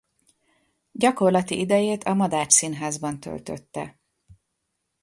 Gyakorlati idejét a Madách Színházban töltötte.